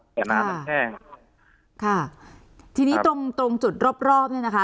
แต่น้ำมันแห้งค่ะทีนี้ตรงตรงจุดรอบรอบเนี้ยนะคะ